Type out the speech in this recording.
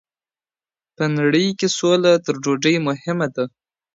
په نړۍ کي سوله تر ډوډۍ مهمه ده.